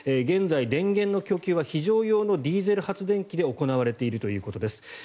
現在、電源の供給は非常用ディーゼル発電機で行われているということです。